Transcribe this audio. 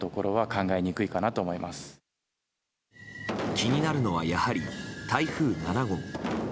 気になるのは、やはり台風７号。